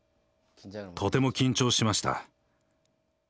とても緊張しました。